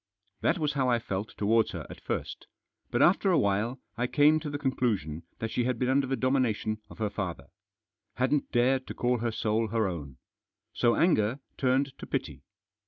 That was how I felt towards her at first. But after a while I came to the conclusion that she had been under the domination of her father. Hadn't dared to call her soul her own. So anger turned to pity.